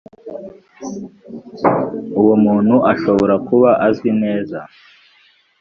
uwo muntu ashobora kuba azwi neza